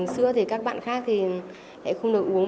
nhưng mà có thể các bạn khác thì lại không được uống